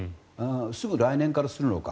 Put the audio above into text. すぐ来年からするのか。